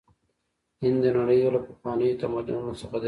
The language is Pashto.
هند د نړۍ یو له پخوانیو تمدنونو څخه دی.